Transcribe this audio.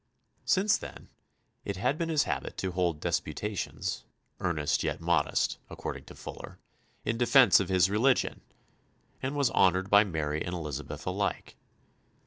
Since then it had been his habit to hold disputations, "earnest yet modest," according to Fuller, in defence of his religion, and was honoured by Mary and Elizabeth alike.